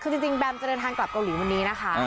คือจริงแบมจะเดินทางกลับเกาหลีวันนี้นะคะ